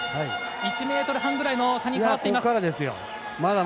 １ｍ半ぐらいの差に変わっています。